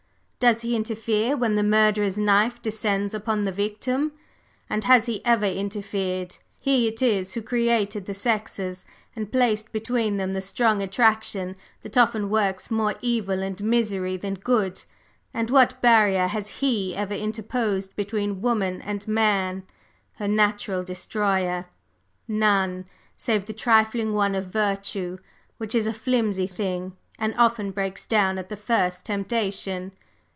Does He interfere when the murderer's knife descends upon the victim? And has He ever interfered? He it is who created the sexes and placed between them the strong attraction that often works more evil and misery than good; and what barrier has He ever interposed between woman and man, her natural destroyer? None! save the trifling one of virtue, which is a flimsy thing, and often breaks down at the first temptation.